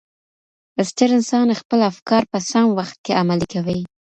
ستر انسان خپل افکار په سم وخت کي عملي کوي.